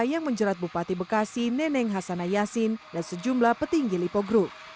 yang menjerat bupati bekasi neneng hasanayasin dan sejumlah petinggi lipo group